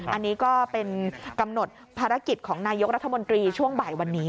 อันนี้ก็เป็นกำหนดภารกิจของนายกรัฐมนตรีช่วงบ่ายวันนี้